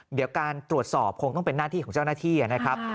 เดี๋ยวการตรวจสอบคงต้องเป็นหน้าที่ของเจ้าหน้าที่นะครับ